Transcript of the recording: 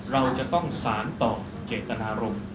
เราจะต้องสารต่อเจตนารมณ์